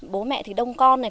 bố mẹ thì đông con này